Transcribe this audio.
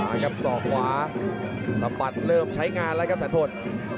มาครับ๒ขวาสะพัดแลิบใช้งานละกับแสนพล